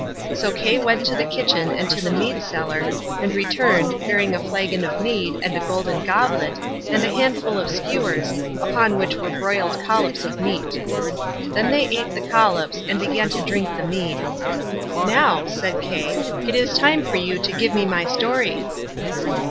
So Kay went to the kitchen and to the mead cellar, and returned, bearing a flagon of mead, and a golden goblet, and a handful of skewers, upon which were broiled collops of meat. Then they ate the collops, and began to drink the mead. "Now," said Kay, "it is time for you to give me my story."